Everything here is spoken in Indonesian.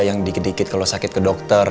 yang dikit dikit kalau sakit ke dokter